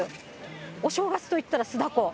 お正月といったら酢だこ。